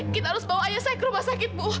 kita harus bawa ayah saya ke rumah sakit bu